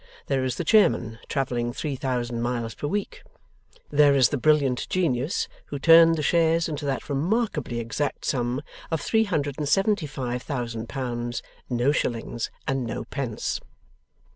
There is the Chairman, travelling three thousand miles per week. There is the brilliant genius who turned the shares into that remarkably exact sum of three hundred and seventy five thousand pounds, no shillings, and nopence.